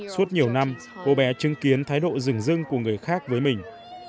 suốt nhiều năm cô bé chứng kiến thái độ rừng rưng của người khác với mình